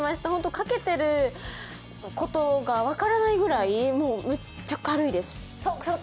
かけてることが分からないぐらいめっちゃ軽いです。